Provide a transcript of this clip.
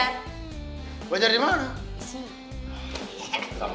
diajarkan itu abah